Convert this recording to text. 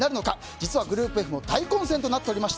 実はグループＦも大混戦となっております。